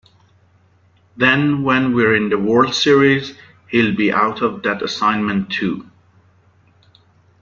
Then when we're in the World Series, he'll be out of that assignment, too.